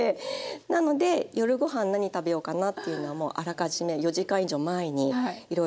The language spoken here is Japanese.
なので夜ご飯何食べようかなっていうのはもうあらかじめ４時間以上前にいろいろ考えるのが楽しくて。